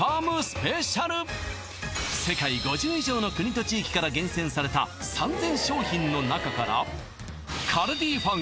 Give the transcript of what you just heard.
世界５０以上の国と地域から厳選された３０００商品の中からカルディファン